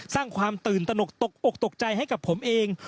สร้างความตื่นตนกตกอกตกใจให้กับผมเอง